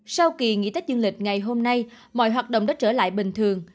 sau kỳ nghỉ tết dương lịch ngày hôm nay mọi hoạt động đã trở lại bình thường